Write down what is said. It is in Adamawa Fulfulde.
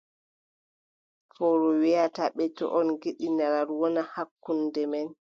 Fowru wiʼata ɓe: to en ngiɗi narral wona hakkunde men,